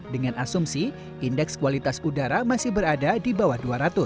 dengan asumsi indeks kualitas udara masih berada di bawah dua ratus